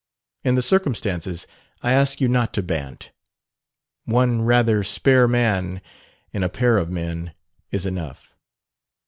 In the circumstances I ask you not to bant. One rather spare man in a pair of men is enough.